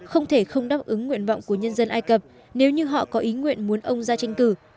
không thể không đáp ứng nguyện vọng của nhân dân ai cập nếu như họ có ý nguyện muốn ông ra tranh cử